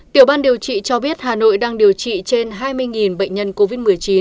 tiểu ban điều trị cho biết hà nội đang điều trị trên hai mươi bệnh nhân covid một mươi chín